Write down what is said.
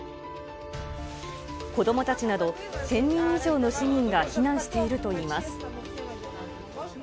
子どもたちなど、１０００人以上の市民が避難しているといいます。